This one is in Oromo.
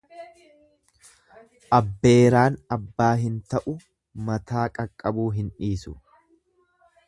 Abbeeraan abbaa hin ta'u mataa qaqqabuu hin dhiisu.